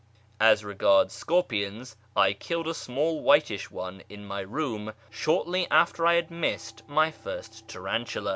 As regards scorpions, I killed a small whitish one in my room shortly after I had missed my first tarantula.